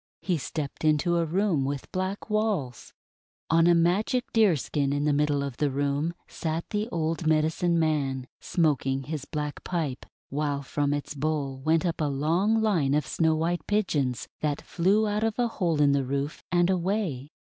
He stepped into a room with black walls. On a THE POTATO CHOOSING BOY 357 Magic Deerskin in the middle of the room sat the old Medicine Man smoking his black pipe, while from its bowl went up a long line of snow white Pigeons, that flew out of a hole in the roof, and away.